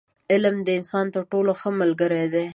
• علم، د انسان تر ټولو ښه ملګری دی.